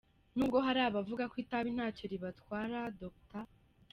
N'ubwo hari abavuga ko itabi ntacyo ribatwara Dr.